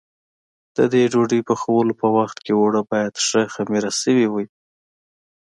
د دې ډوډۍ پخولو په وخت کې اوړه باید ښه خمېره شوي وي.